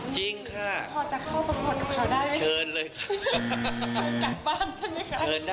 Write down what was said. จริงเหรอพอจะเข้าประโยชน์เขาได้ชวนกลับบ้านฉันนะคะจริงค่ะ